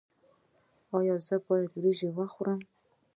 ایا زه باید وریجې وخورم؟